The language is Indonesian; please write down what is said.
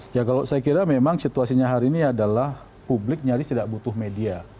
ya kalau saya kira memang situasinya hari ini adalah publik nyaris tidak butuh media